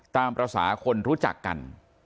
ตามภาษาคนรู้จักกัน